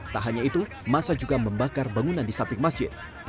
tak hanya itu masa juga membakar bangunan di samping masjid